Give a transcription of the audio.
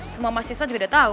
semua mahasiswa juga udah tau